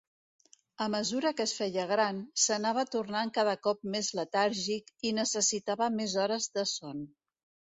A mesura que es feia gran, s'anava tornant cada cop més letàrgic i necessitava més hores de son.